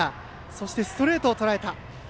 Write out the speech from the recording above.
そして、ストレートをとらえた。